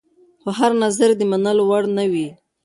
خو هر نظر د منلو وړ نه وي.